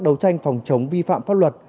đấu tranh phòng chống vi phạm pháp luật